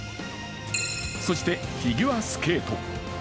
そしてフィギュアスケート。